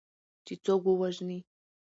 چې څوک ووژني